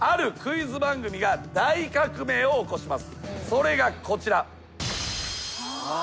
それがこちら。